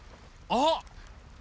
あっ。